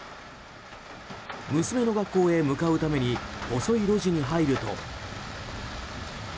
娘の学校へ向かうために細い路地に入ると。